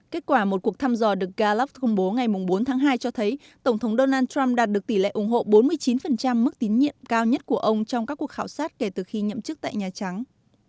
kết quả một cuộc thăm dò được gallub công bố ngày bốn tháng hai cho thấy tổng thống donald trump đạt được tỷ lệ ủng hộ bốn mươi chín mức tín nhiệm cao nhất của ông trong các cuộc khảo sát kể từ khi nhậm chức tại nhà trắng